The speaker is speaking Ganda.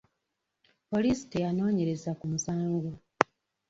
Poliisi teyanoonyereza ku musango.